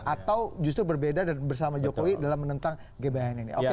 atau justru berbeda dan bersama jokowi dalam menentang gbhn ini